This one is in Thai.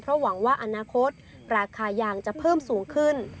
หวังว่าอนาคตราคายางจะเพิ่มสูงขึ้น